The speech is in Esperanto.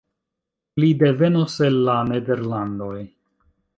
Li devenus el la Nederlandoj.